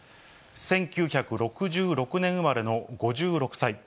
１９６６年生まれの５６歳。